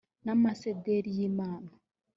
n amasederi y imana